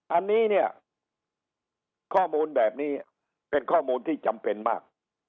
อันนี้เนี่ยข้อมูลแบบนี้เป็นข้อมูลที่จำเป็นมาก